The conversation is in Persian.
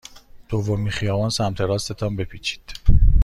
دومین خیابان سمت راست تان بپیچید.